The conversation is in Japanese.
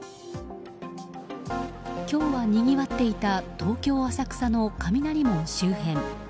今日はにぎわっていた東京・浅草の雷門周辺。